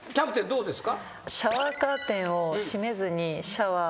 どうですか？